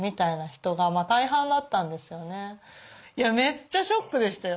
めっちゃショックでしたよ